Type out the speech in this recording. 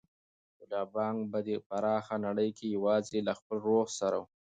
ملا بانګ په دې پراخه نړۍ کې یوازې له خپل روح سره و.